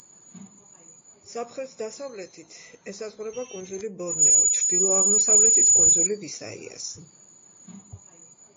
სამხრეთ-დასავლეთით ესაზღვრება კუნძული ბორნეო, ჩრდილო-აღმოსავლეთით კუნძული ვისაიასი.